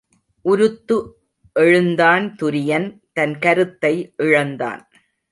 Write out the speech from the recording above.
உருத்து எழுந்தான் துரியன் தன் கருத்தை இழந்தான்.